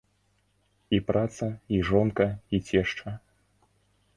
І праца, і жонка, і цешча.